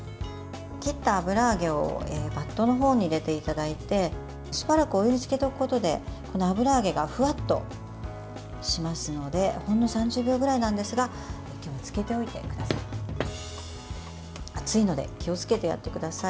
切った油揚げをバットの方に入れていただいてしばらくお湯につけておくことでこの油揚げがフワッとしますのでほんの３０秒ぐらいなんですがつけておいてください。